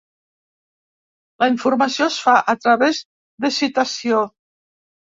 La informació es fa a través de citació.